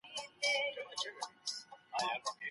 هر څوک باید کاري وخت ته ځان وقف کړي.